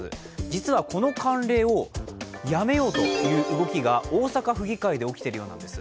実はこの慣例をやめようという動きが大阪府議会で起きてるようなんです。